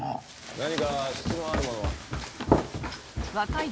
何か質問ある者は？